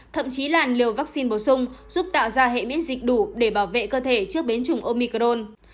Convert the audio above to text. thậm chí là liều vaccine bổ sung giúp tạo ra hệ miễn dịch đủ để bảo vệ cơ thể trước biến chủng omicron